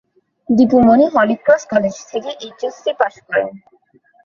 Dipu Moni Holy Cross college থেকে pass পাস করেন।